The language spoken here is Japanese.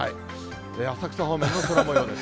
浅草方面の空もようです。